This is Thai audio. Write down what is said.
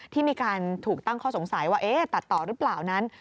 ที่มีการถูกตั้งข้อสงสัยว่าตัดต่อหรือเปล่านั้น